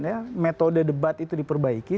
ya metode debat itu diperbaiki